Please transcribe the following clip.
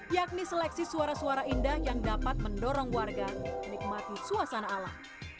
yakni seleksi suara suara indah yang dapat mendorong warga menikmati suasana alam